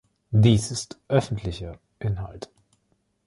Dies ist öffentlicher Inhalt.